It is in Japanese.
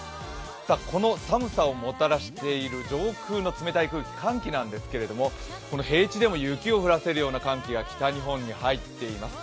この寒さをもたらしている上空の冷たい空気、寒気なんですけど平地でも雪を降らせるような寒気が北日本に入っています。